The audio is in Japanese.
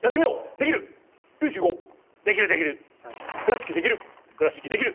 できるできる！